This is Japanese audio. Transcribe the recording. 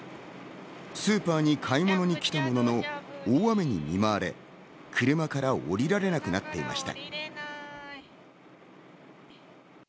スーパーに買い物に来たものの大雨に見舞われ、車から下りられなくなっていました。